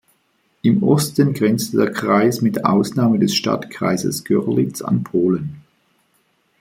Im Osten grenzte der Kreis mit Ausnahme des Stadtkreises Görlitz an Polen.